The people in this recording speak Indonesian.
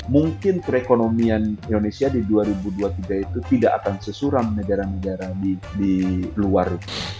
mungkin perekonomian indonesia di dua ribu dua puluh tiga itu tidak akan sesuram negara negara di luar itu